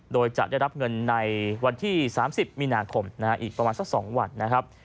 โดยจะได้รับเงินในวันที่๓๐มีนาคมอีกประมาณสัก๒วันนะครับ